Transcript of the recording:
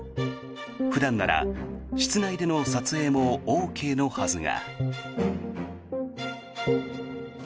普段なら室内での撮影もＯＫのはずが。